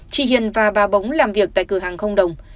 chị hiền và bà bỗng làm việc tại cửa hàng không đồng